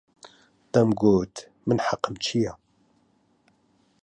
دەمگوت: من حەقم چییە؟